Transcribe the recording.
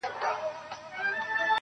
څلور مياشتې مخکې مو د سترګي ليزري